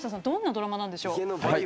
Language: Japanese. どんなドラマなんでしょう？